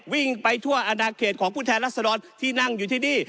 วิ่งไปทั่วอนาเขตของผู้แทนรัศดรที่นั่งอยู่ที่นี่